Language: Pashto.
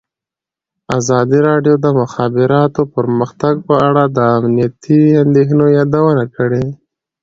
ازادي راډیو د د مخابراتو پرمختګ په اړه د امنیتي اندېښنو یادونه کړې.